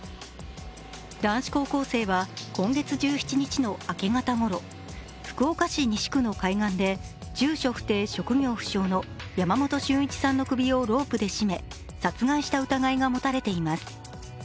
男子高校生は今月１７日の明け方ごろ、福岡市西区の海岸で、住所不定・職業不詳の山本駿一さんの首をロープで絞め殺害した疑いが持たれています。